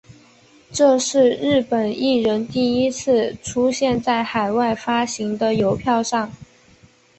这是日本艺人第一次出现在海外发行的邮票上。